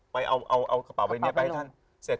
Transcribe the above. ไปเอากระเป๋าใบนี้ไปให้ท่านเสร็จ